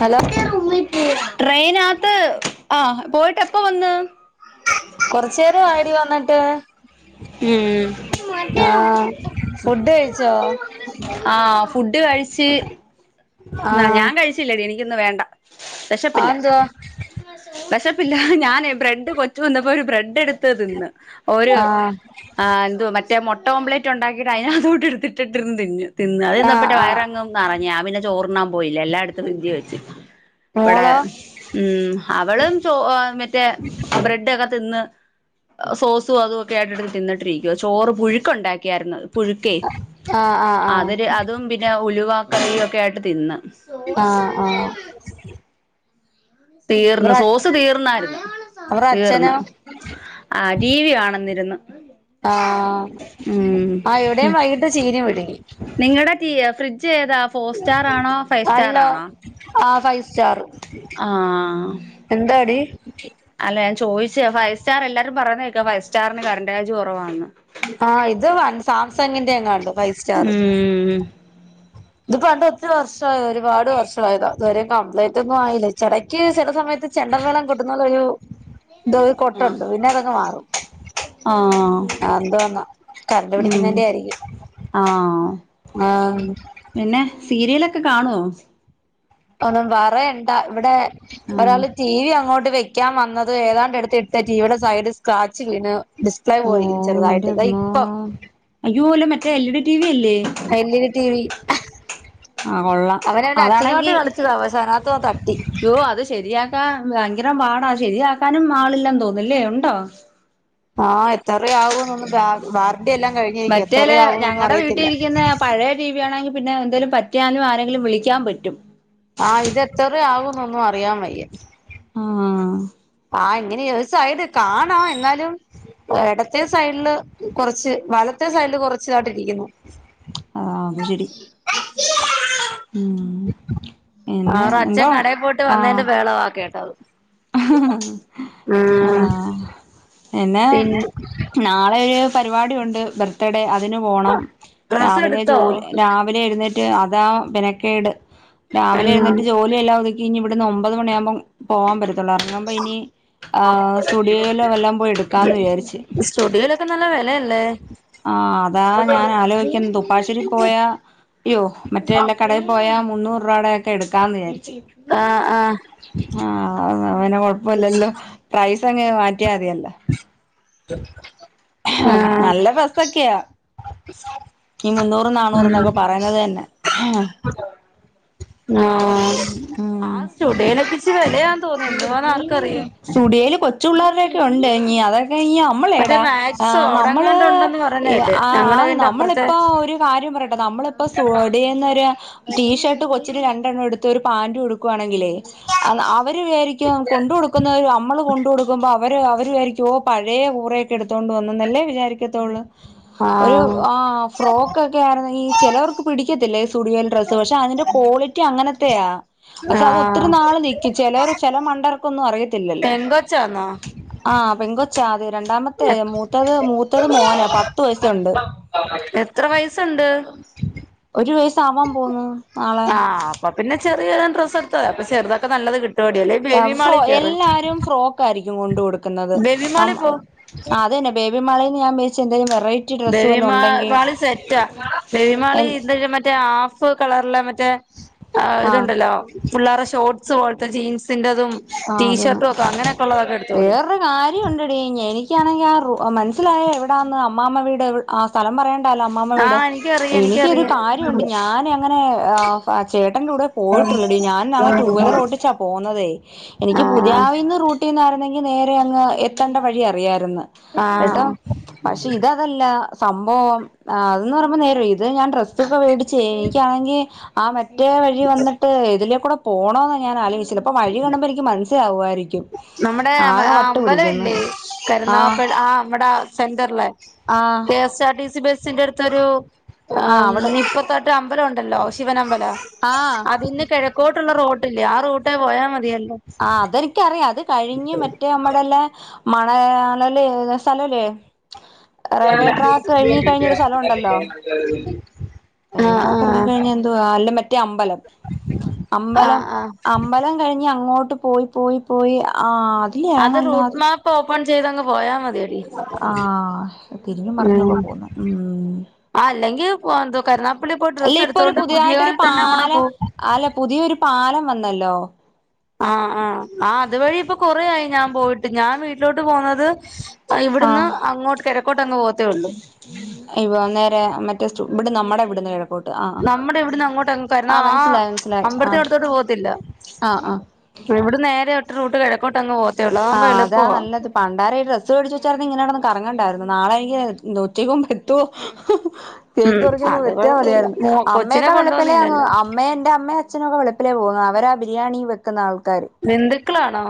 hello ട്രെയിനകത്ത് ആ പോയിട്ട് എപ്പ വന്ന് കൊറച്ച് നേരം ആയടി വന്നിട്ട് ഉം ആഹ് ഫുഡ് കഴിച്ചോ ന്നാ ഞാൻ കഴിച്ചില്ലടി എനിക്കിന്ന് വേണ്ട അന്തുവാ പ്പില്ല ഞാന് ബ്രെഡ് കൊച്ചു വന്നപ്പോ ഒരു ബ്രെഡ് എടു ത്ത് തിന്ന് ഒര് ആഹ് ആൽ മറ്റ മൊട്ട ഓംപ്ലെറ്റ് ഉണ്ടാക്കിയിട്ട് അതിന അടുത്തിട്ടിന്ന് തിന്നു തിന്ന് അതിന്നപ്പ് ആഹ് ആഹ് വയറങ്ങങ്ന്ന് നറഞ് പിന്നെ ചോറുണ്ണാൻ പോയില്ല എല്ലായിടത്തും ഇഞ്ചി ചോയ്ച്ച് വിടെ മോളോ ഉം അവളും ചോ മറ്റേ ബ്രെഡൊക്കെ തിന്ന് സോസും അതും ഒക്കെ ആയിട്ടി തിന്നിട്ടിരിക്കുവ ചോറ് പുഴുക്ക ഉണ്ടാക്കിയായിരുന്നു പുഴുക്കേ ആഹ് ആഹ് ആഹ് അതിര് അതും പിന്നെ ഉലുവാക്കഞ്ഞി ഒക്കെ ആയിട്ട് തിന്ന് ആഹ് ആഹ് തീർന്ന് അവറെ സോസ് തീർന്നായിരുന്നു അവറെ തീർന്ന് അച്ഛനോ ആഹ് ടി വി കാണ്ന്ന് ഇര്ന്ന് ആഹ് ആഹ് എവിടെയും വൈകിട്ട് ചീരി വിട്ങ്ങി ജ് ഏതാ ഫോർ സ്റ്റാർ ആണോ ഫൈവ് സ്റ്റാർ അല്ല ആണോ ആഹ് ഫൈവ് സ്റ്റാർ ആഹ് എന്തടി അല്ല ഞാൻ ചോദിച്ചേ ഫൈവ് സ്റ്റർ എല്ലാരും പറഞ്ഞ കേക്കാ ഫൈവ് സ്റ്റാറിന് കറണ്ട് ചാർജ് കുറവാണ്ന്ന് ആഹ് ഇത് വ സാംസങ്ങിന്റെ എങ്ങാണ്ട് ഫൈവ് സ്റ്റാർ ഉം ഇത്ണ്ട് ഒത്തിരി വർഷ ആയി ഒരുപാട് വർഷമായതാ ഇ കംപ്ലൈന്റ് ഒന്നും ആയില്ലേ ചടക്ക് ചില സമയത്ത് ചെണ്ടമേളം കോട്ടുന്ന ഒരു ഇത കൊട്ടുണ്ട് പിന്നെ അതങ്ങ് മാറും ആഹ് എന്ത വന്നാ കറണ്ട് ഉം പിടിക്കുന്നന്റെ ആയിരിക്കും ആഹ് ആഹ് പിന്നെ സീരിയലൊക്കെ കാണുവോ ഒന്നും പറയണ്ടാ ഇവിടെ ആഹ് ഒരാള് ടി വി അങ്ങോട്ട് ത് വെക്കാൻ വന്നത് ഏതാണ്ട് എട്ത്ത് ഇട്ട് ടീവിടെ സൈഡ് സ്ക്രാച്ച് വീണ് ഡിസ്പ്ലേ പോയി ഓഹ് ചെർതായ്ട്ട് ഇതാ എന്റമ്മോ ഇപ്പം അയ്യോ അല്ല മറ്റേ L E D T V അല്ലേ എല്ലീഡി ടീവി ആഹ് കൊള്ളാം അവന്റെ അച്ഛനുമായിട്ട് അതാണെങ്കി കളിച്ചതാ പക്ഷെ അതിനകത്ത് തട്ടി യ്യോ അത് ശെരിയാക്കാ ഭയങ്കരം പാടാ ശരിയാക്കാനും ആളില്ലെന്ന് തോന്നുന്ന് ല്ലേ ഉണ്ടോ ആഹ് എതറെ ആകുന്നൊന്നും ബാ ബാർ മറ്റേലെ ഞങ്ങടെ അറിയത്തില്ല വീട്ടിരിക്ക്ന്നെ പഴേ ടീവ്യാണെങ്കി പിന്നെ എന്തേലും പറ്റ്യാലും ആരെയെങ്കിലും വിളിക്ക്യാം പറ്റും ത്രെ ആകൂന്നൊന്നും അറിയാം വയ്യാ ആഹ് ആഹ് ഇങ്ങനെ ഒര് സൈസ് കാണാ എന്നാലും എടത്തേ സൈഡ്ല് കൊറച്ച് വലത്തെ സൈഡ്ല് കൊറച്ച്തായ്ട്ട് ഇരിക്ക്യുന്നു ആഹ് അത്ശെരി ഉം പിന്നെ അവറെ അച്ഛൻ എന്താ കടയിൽ പോയിട്ട് വന്നതിന്റെ ആഹ് ബഹളവാ കേട്ടത് ഉം ആഹ് പിന്നെ നാളെയൊര് പരിപാടി ഉണ്ട് ബർത്ത്ഡേ അതിന് പോണം ഡ്രസ്സ് രാവിലെ എടുത്തോ ജോൽ രാവിലെ എഴ്ന്നേ അതാ പിനക്കേട് രാവിലെ ഉം ഇരിട്ട് ജോലി എല്ലാം ഒതുക്കി അന്ന് ഒമ്പത് മണിയാകുമ്പം പോവാാൻ പറ്റും തുളർങ്ങുമ്പോ ഇനി ആ സ്റ്റുഡിയോയിലോ വല്ലാം പോയി എടുക്കാന്ന് വിചാരിച്ചു അല്ലെല്ലേ ആ അതാ ഞാൻ ആലോചിക്കൻ ദുപ്പാശ്ശേരി പോയ അയ്യോ മറ്റേ എല്ലാ കടയിൽ പോയാ മുന്നൂറ് രൂപയുടെയൊക്കെ എടുക്കാന്ന് ഞാൻ ആഹ് ആഹ് അവൻ കുഴപ്പമില്ലല്ലോ ങ്ങെ മാറ്റിയാതെയല്ല ആഹ് നല്ല രസൊക്കെയാ ഈ മുന്നൂറ് ഉം നന്നൂറന്നൊക്കെ പറയുന്നത് തന്നെ ആഹ് ആ ആഹ് സ്റ്റുഡിയോയിലൊക്കെ ഇച്ചിരി വിലയാന്ന് തോന്നുന്നു എന്തുവാന്ന് ആർക്കറിയാം സ്റ്റുഡിയോയില് ചുള്ളേരുടെൊക്കെ ഉണ്ട് ഇനി അതൊ മറ്റേ നമ്മളടാ മാക്സോ നമ്മള് അവിടെങ്ങാണ്ട് ഉണ്ടെന്ന് പറയുന്ന കേട്ട് ആ ആ ഞങ്ങടെ വീടിന്റെ നമ്മള അപ്പുറത്തെ ഇപ്പൊ ഒരു കാര്യം പറയട്ടെ നമ്മളിപ്പോ സ്റ്റുഡിയോ ഒരു ടീഷർ്ട്ട് കൊ രണ്ടെണ്ണം എടുത്ത് ഒരു പാന്റ് കൊടുകുവാണെങ്കിലേ അവര് വിചരിക്കും കൊണ്ട് കൊടുക്കുന്നവരും നമ്മൾ കൊണ്ട് കൊടുക്കുമ്പോ അവര് അവരു ആരിക്കും ഓ പഴയ പൂറയൊക്കെ എടുത്തോണ്ടണ്ട് വന്നന്നല്ലേ വിചാരിക്കത്തുള്ളൂ ഒരു ആഹ് ആ ഫ്രോക്ക് ഒക്കെ ആയിരുന്നെങ്കിൽ ചിലവർക്ക് പിഡി പിടിക്കത്തില്ലേ സ്റ്റുഡിയോയി ഡ്രസ്സ് പെ അതിന്റെ ക്വാളിറ്റി അങ്ങനത്തെയാ പക്ഷെ അത് ഒത്തിരി ആഹ് നാള് നിക്കും ചില ചില മണ്ടർക്കൊന്നും അറിയതില്ല ല്ലല്ല് പെങ്കൊച്ചാന്നോ ആ പെങ്ക പച്ച അതെ രണ്ടാമത്തെേ മൂത്തത് മൂത്തത് മോന പത്ത് വയസുണ്ട് എത്ര വയസുണ്ട് ഒരു വയസ്സ് ആവാൻ പോകുന്നു ആഹ് അപ്പം പിന്നെ ചെറിയ ഡ്രസ് എടുത്തത അപ്പൊ ചെറുതൊക്കെ നല്ലത് കിട്ടും ഫ്രോ എല്ലാരും ഫ്രോക്ക് ആയിരിക്കും കൊണ്ട് കൊടുക്ക ബേബിമാളിൽ പോ അത തന്നെ ബേബി മാളിൽ എന്ത ബേബി മാളിൽ സെറ്റാ ബേബിമാളി എൻ എന്ത മറ്റേ ആ കളറിലെ മറ്റേ ആഹ് ഇതുണ്ടല്ലോ പിള്ളേരെ ഷോർസ് പോലത്തെ ജീൻസിൻ്റെതും ആ അതന്നെ എടുത്തോളൂ വേറരു കാര്യം ഇണ്ടടി എനിക്കാണെങ്കിൽ ആ ത്തിലായ എവിടാന്ന് അമ്മാമ വീട് ആ സ്ഥലം പറയേണ്ടല്ലോ അമ്മാമ വീട് ആഹ് എനിക്കറിയാം എനിക്കരു എനിക്കറിയാം കാര്യമുണ്ട് ഞാൻ അങ്ങനെ ചേട്ടന്റെ കൂടെ പോയിട്ടുള്ള ഡി ഞാന നാളെ പുല ഓട്ടിച്ചാ പോകന്നതേ എനിക്ക് ആഹ് പുതിയവിന്ന് റൂട്ടിന്ന് ആരുന്നെങ്കിൽ നേരെ അങ്ങ് എത്തേണ്ട വഴി അറിയായിരുന്നു കേട്ടോ ആഹ് പക്ഷെ ഇതതല്ല സംഭവം ആ അതന്ന് പറുമ്പോൾ നേര ഇത് ഞാൻ ഡ്രസ്സൊക്കെ മേടിച്ചേ എനിക്കാണെങ്കിൽ ആ മറ്റേ വഴി വന്നിട്ട് ഇതിലേ കൂടെ പോണ എന്ന് ഞാൻ ആലോചിച്ചില്ല അപ്പ വഴി കുമ്പോൾ എനിക്ക് മനസ്സിലാവകുയിരിക്കും നമ്മുടെ ആ അമ്പലം ഇല്ലേ ആഹ് കരുനാവപ്പേടി ആ നമ്മടെ സെന്ററല്ലേ ആഹ് കെ എസ് ആർടി സി ബസിന്റെ അടുത്തൊരു ആഹ് അവിടെ ഇപ്പത്തട്ട് അമ്പലം ഉണ്ടല്ലോ ശിവനമ്പലം ആഹ് അതിന്ന് കിഴക്കോട്ടുള്ള റൂട്ടില്ലേ ആ റൂട്ട് പോയാൽ മതിയല്ലേ ആ അതെ എനിക്കറിയാം അത് കഴിഞ്ഞ് മറ്റേ അമ്മടെല്ല മണയാലലി സ്ഥലൊല്ലേ റെയിൽവേ ട്രാക്ക് കഴിഞ്ഞ് കഴിഞ്ഞൊരു സ്ഥലൊണ്ടല്ലോ റെയിൽവേ ആഹ് ട്രാക്ക് ആഹ് കഴിഞ്ഞ എന്തുവാ അല്ല മറ്റേ അമ്പലം അമ്പലം ആഹ് ആഹ് അമ്പലം കഴിഞ്ഞ് അങ്ങോട്ട് പോയി പോയി പോയി ആ അത് റൂട്ട് മാപ്പ് ഓപ്പൺ ചെയ്തങ് പോയാ മതി ആ തിരിഞും മർഞ്ഞൊക്കെ ഉം പോന്നു ആ അല്ലെങ്കിൽ കരുനാപ്പള്ളി പോയി അല്ല ഡ്രസ്സ് ഇപ്പൊരു എടുത്തോണ്ട് പുതിയ പുതിയായിട്ടൊരു കാലത്ത് തന്നെ കൂടെ പാലം പോകും അല്ല പുതിയൊരു പാലം വന്നല്ലോ ആ ആ ആ അതുവഴി ഇപ്പോ കൊറേയായി ഞാൻ പോയിട്ട് ഞാൻ വീട്ടിലോട്ട് പോകുന്നത് ഇവിടുന്ന് ആഹ് അങ്ങോട്ട് കെഴക്കോട്ടങ്ങ് പോവത്തേ ഒള്ളു ഇവ നേരെ മറ്റേ ഇവിടെ നമ്മടെ ഇവിടുന്ന് കെഴക്കോട്ട് നമ്മുടെ ഇവിടന്ന് അങ്ങോട്ടങ് കാരണം ആ മനസ്സിലായി മനസ്സിലായി ആ അമ്പലത്തിൻ്റെ അടുത്തോട്ട് പോവത്തില്ല ആ ആ ഇവിട നേരെ ഒറ്റ റൂട്ട് കെഴക്കോട്ടങ്ങ് പോവത് ആ അതാ നല്ലത് പണ്ടാര ഈ ഡ്രസ് വേടിച്ച് വച്ചായിരുന്നെ ഇങ്ങനടന്ന് കറങ്ങ ണ്ടയിര്ന്ന് നാളെ എനിക് [unintelligible] ഉം കേക്ക്മുറികുമ്പൊ അത് കൊഴപ്പമില്ല വടെത്തിയാമതിയായ്ര്ന്നു മോ കൊച്ചിനെ അമ്മയൊക്കെ വെളുപിലേ അങ്ങ് കൊണ്ടുപോന്നില്ലല്ലോ അമ്മേ എൻ്റമ്മേംഅചനൊകെ വെളുപിലേ പോന്നു അവരാ ബിരിയാണി വെക്കുന്ന ആൾ ബന്ദുക്കളാണോ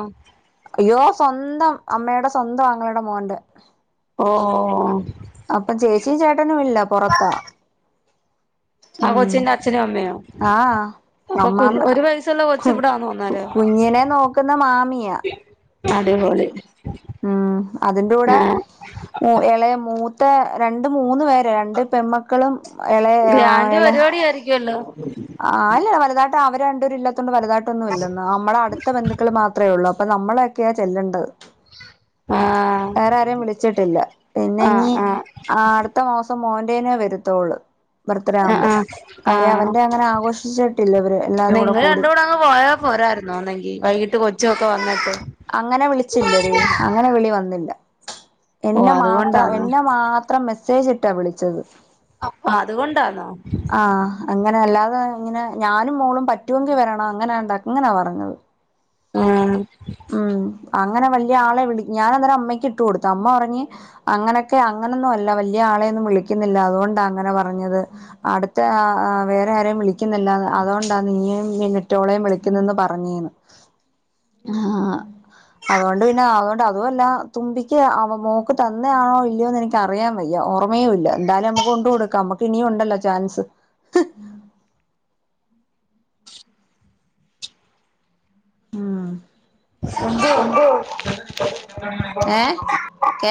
അയ്യോ സ്വന്തം അമ്മേടേ സ്വന്തം ആങ്ങളേടെ മോൻ്റെ ഓ ഓ അപ്പം ചേച്ചിം ചേട്ടനും ഇല്ല പൊറത്താ ആ ഉം കൊച്ചിൻ്റച്ഛനും അമ്മയോ ആഹ് അപ്പൊ കുഞ് അമ്മാമ്മ ഒരു വയസുള്ള കൊച്ച് ഇവിടാണൊ അന്നേരം കുഞ്ഞിനെ നോക്കുന്ന അടിപൊളി മ്മ് അതിന്റെ കൂടെ ആഹ് എളയ മൂത് മൂത്തെ രണ്ട് മൂന്ന് പേര രണ്ട് പെമക്കളും എള ആ ഗ്രാൻഡ് എള പരിപാടി ആയിരിക്കുവല്ലോ ആ അല്ല വലുതായിട്ട അവര് രണ്ട്പേരും ഇല്ലാത്തോൺണ്ട് വലുതായിട്ടൊന്നും ഇല്ലെന്ന് അമ്മളെ അട്ത്ത ബന്ധത്തില് മാത്രേ ഉള്ളു അപ്പം നമ്മളെയൊക്കെയാ ചെല്ലെണ്ടത് ആഹ് വേറെ ആരെയും വിളിച്ചിട്ടില്ല പിന്നെ ആഹ് ഇഞി ആഹ് അടുത്ത മാസം മോൻ നേ വരുത്തോള്ള് ആഹ് ബർത്ത്ഡേയാവുമ്പോ ആഹ് കാര്യം അവൻ ആഹ് അങ്ങനെ ആഘോഷിച്ചിട്ടില്ല ഇവര് എല്ലാരും കൂടെ നിങ്ങള് കൂടി രണ്ടൂടെ അങ്ങ് പോയാ പോരായിരുന്നോ വൈകിട്ട് കൊച്ചൊക്കെ വന്നിട്ട് അങ്ങനെ വിളിച്ചില്ലെടീ അങ്ങനെ വിളി വന്നില്ല ഓ എന്നെ മാത്രം അതുകൊണ്ടാന്നോ എന്നെ മാത്രം മെസ്സേജ് ഇട്ടാ വിളിച്ചത് അ അതുകൊണ്ടാന്നോ ആഹ് അങ്ങനെ അല്ലാതെ ഇങ്ങനെ ഞാനും മോളും പറ്റുവേങ്കി വരണം അങ്ങനെന്താ അങ്ങനാ പറഞ്ഞത് ആ ഉം അങ്ങനെ വയല്ല്യ ആളെ വിളി ഞാനന്നേരം അമ്മയ്ക്ക് ഇട്ടുകൊടുത്തു അമ്മ പറഞ് അങ്ങനെയൊക്കെ അങ്ങനൊന്നും അല്ല വലിയ ആളെയൊന്നും വിളികിന്നില്ല അതുകൊണ്ടാ അങ്ങനെ പറഞത് അടുത്ത ആ വേറേയാരേം വിളികിന്നില്ല അതാ അതുകൊണ്ടാ നീയും [unintelligible] വിളിക്കുന്നെന്ന് പറഞ്ഞേന്ന് ആ അതുകൊണ്ട് പിന്നെ അതുകൊണ്ട് അതും എല്ലാം തുമ്പിക്ക് അവ മോക്ക് തന്നേയാണോ ഇല്ലയോന്ന് എനിക്ക് അറിയാൻ വയ്യ ഓർമയും ഇല്ല എന്തായാലും നമ്മക്ക് കൊണ്ട് കൊടുക്കാം നമ്മക്ക് ഇനിയും ഉണ്ടല്ലോ ചാൻസ് [unintelligible] ഉം മ്മ് ഏ